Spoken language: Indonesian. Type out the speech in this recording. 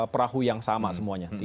perahu yang sama semuanya